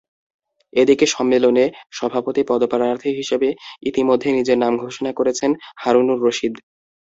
এদিকে সম্মেলনে সভাপতি পদপ্রার্থী হিসেবে ইতিমধ্যে নিজের নাম ঘোষণা করেছেন হারুনুর রশিদ।